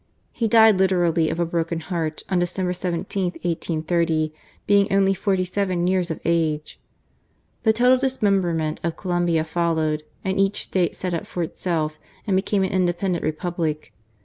He died literally of a broken heart on December 17, 1830, being only forty seven years of age. The total dismemberment of Colombia followed, and each State set up for itself and became an independent Republic.